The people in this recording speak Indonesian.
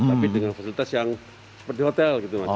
tapi dengan fasilitas yang seperti hotel gitu mas